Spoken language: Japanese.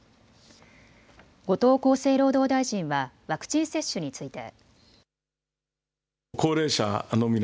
後藤厚生労働大臣はワクチン接種について。